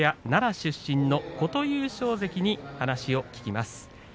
奈良出身の琴裕将関に話を聞きます。